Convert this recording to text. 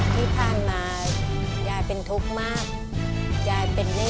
ที่ผ่านมายายเป็นทุกข์มาก